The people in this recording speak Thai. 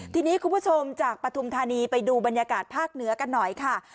ทีนี้คุณผู้ชมจากปฐุมธานีไปดูบรรยากาศภาคเหนือกันหน่อยค่ะ